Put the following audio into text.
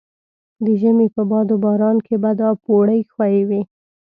د ژمي په باد و باران کې به دا پوړۍ ښویې وې.